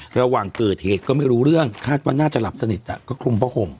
ระหว่างเกิดเหตุก็ไม่รู้เรื่องคาดว่าน่าจะหลับสนิทก็คลุมผ้าห่ม